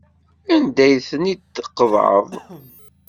Anda ay ten-id-tqeḍɛeḍ?